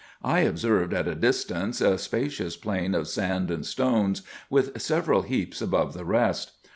I observed at a distance a spacious plain of sand and stones, with several heaps above the rest.